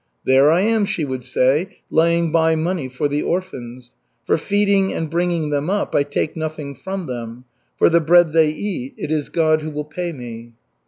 "There I am," she would say, "laying by money for the orphans. For feeding and bringing them up I take nothing from them. For the bread they eat it is God who will pay me."